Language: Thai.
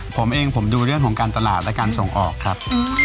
ผมเองผมดูเรื่องของการตลาดและการส่งออกครับ